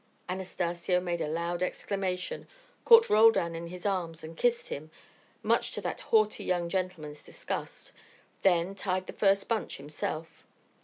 Anastacio made a loud exclamation, caught Roldan in his arms and kissed him, much to that haughty young gentleman's disgust, then tied the first bunch himself.